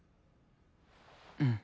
うん。